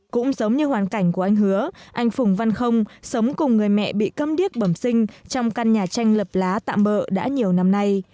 cũng giống như hoàn cảnh của anh hứa anh phùng văn không sống cùng người mẹ bị cầm điếc bẩm sinh trong căn nhà tranh lập lá tạm bợ đã nhiều năm nay